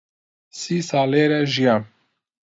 سی ساڵ لێرە ژیام.